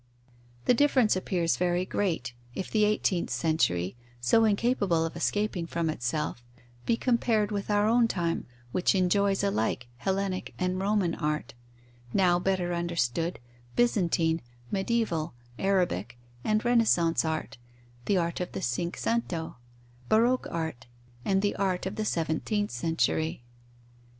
The difference appears very great, if the eighteenth century, so incapable of escaping from itself, be compared with our own time, which enjoys alike Hellenic and Roman art, now better understood, Byzantine, mediaeval, Arabic, and Renaissance art, the art of the Cinque Cento, baroque art, and the art of the seventeenth century.